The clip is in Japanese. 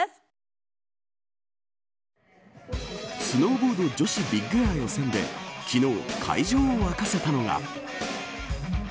スノーボード女子ビッグエア予選で昨日、会場を沸かせたのが。